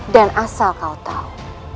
dan asal kau tahu